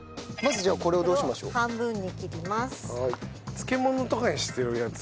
漬物とかにしてるやつ？